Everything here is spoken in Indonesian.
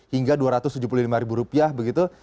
hingga dua ratus tujuh puluh lima ribu rupiah begitu